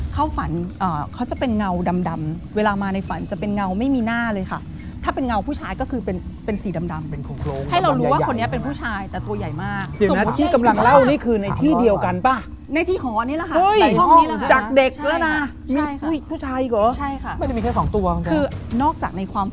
เข้าฝันเค้าจะเป็นเงาดำเวลามาในฝันจะเป็นเงาไม่มีหน้าเลยค่ะ